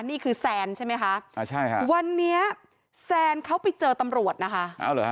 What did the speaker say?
นี่คือแซนใช่ไหมคะวันนี้แซนเขาไปเจอตำรวจนะคะ